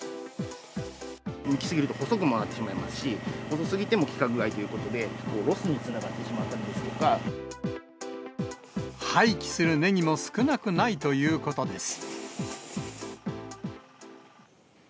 むきすぎると細くもなってしまいますし、細すぎても規格外ということで、ロスにつながってし廃棄するネギも少なくないということです。